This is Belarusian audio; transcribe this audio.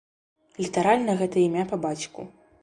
Літаральна гэта імя па бацьку.